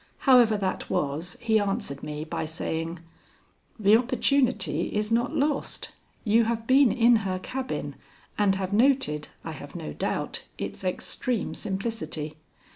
However that was, he answered me by saying: "The opportunity is not lost. You have been in her cabin and have noted, I have no doubt, its extreme simplicity.